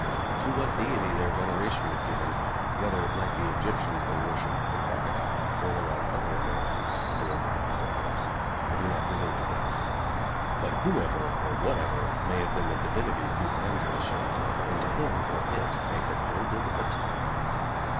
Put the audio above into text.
To what deity their veneration was given whether, like the Egyptians, they worshiped the crocodile, or, like other Americans, adored themselves, I do not presume to guess. But whoever, or whatever, may have been the divinity whose ends they shaped, unto Him, or It, they had builded a temple.